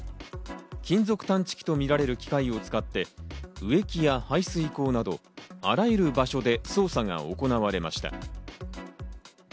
金属探知機とみられる機械を使って、植木や排水溝など、あらゆる場所で捜査が行われました。